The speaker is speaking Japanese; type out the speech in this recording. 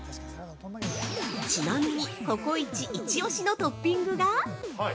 ちなみにココイチイチオシのトッピングが◆